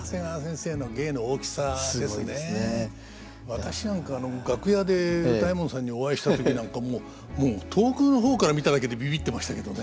私なんか楽屋で歌右衛門さんにお会いした時なんかもう遠くの方から見ただけでビビッてましたけどね。